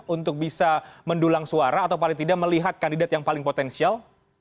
untuk bisa mendulang suara atau paling tidak melihat kandidat yang paling potensial